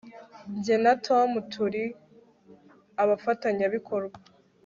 jye na tom turi abafatanyabikorwa